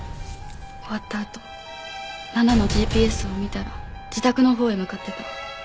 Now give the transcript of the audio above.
あと奈々のＧＰＳを見たら自宅のほうへ向かってた。